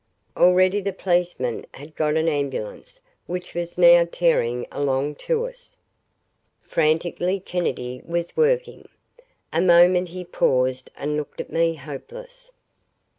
Already the policeman had got an ambulance which was now tearing along to us. Frantically Kennedy was working. A moment he paused and looked at me hopeless.